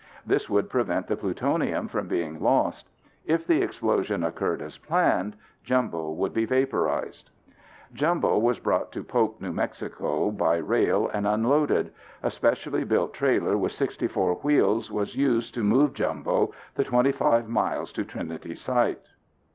This would prevent the plutonium from being lost. If the explosion occurred as planned, Jumbo would be vaporized. Jumbo was brought to Pope, N.M., by rail and unloaded. A specially built trailer with 64 wheels was used to move Jumbo the 25 miles to Trinity Site.